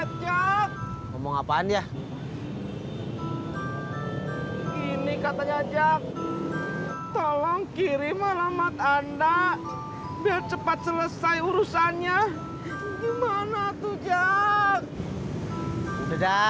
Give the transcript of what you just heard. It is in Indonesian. tumben dia ngamuk jack